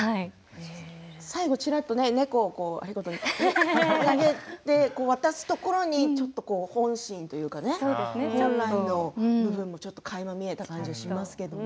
最後ちらっと猫を有功に投げて渡すところにちょっと本心というかね本来の部分もかいま見えた感じがしますけれどね。